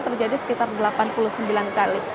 terjadi sekitar delapan puluh sembilan kali